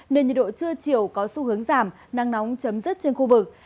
nên nhiệt độ trưa chiều có xu hướng giảm năng nóng chấm dứt trên khu vực